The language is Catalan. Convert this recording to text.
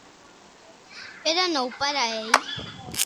Era nou per a ell?